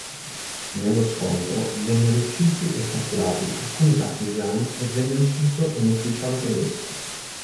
Nello scontro vennero uccisi e catturati alcuni partigiani e venne ucciso un ufficiale tedesco.